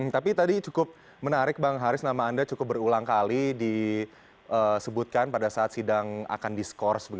tapi tadi cukup menarik bang haris nama anda cukup berulang kali disebutkan pada saat sidang akan diskors